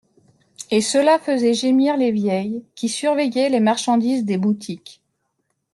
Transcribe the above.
Et cela faisait gémir les vieilles qui surveillaient les marchandises des boutiques.